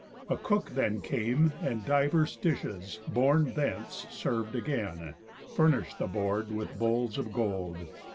A cook then came, And divers dishes, borne thence, serv'd again; Furnish'd the board with bowls of gold.